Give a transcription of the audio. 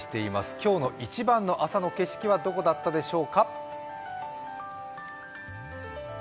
今日の一番の朝の景色はどこだったでしょうか。